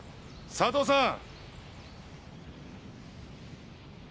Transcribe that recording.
佐藤さん！